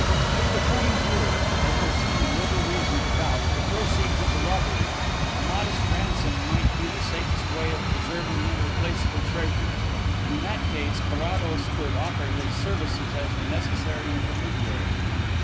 If the coins were, as there seemed little reason to doubt, the proceeds of the robbery, a modest ransom might be the safest way of preserving irreplaceable treasures, and in that case Carrados could offer his services as the necessary intermediary.